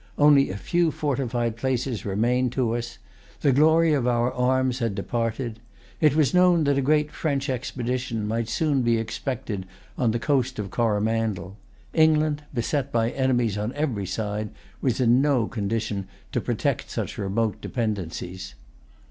Only a few fortified places remained to us. The glory of our arms had departed. It was known that a great French expedition might soon be expected on the coast of Coromandel. England, beset by enemies on every side, was in no condition to protect such remote dependencies.